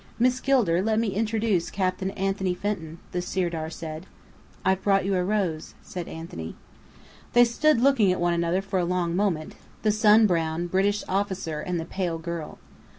"Miss Gilder, let me introduce Captain Anthony Fenton," the Sirdar said. "I've brought you a rose," said Anthony. They stood looking at one another for a long moment, the sun browned British officer, and the pale girl.